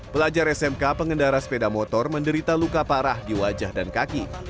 pelajar smk pengendara sepeda motor menderita luka parah di wajah dan kaki